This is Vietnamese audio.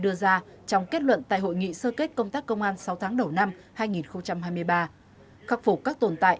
đưa ra trong kết luận tại hội nghị sơ kết công tác công an sáu tháng đầu năm hai nghìn hai mươi ba khắc phục các tồn tại